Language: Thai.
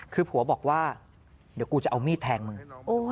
คือผัวบอกว่าเดี๋ยวกูจะเอามีดแทงมึง